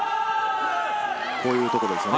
こういうところですよね。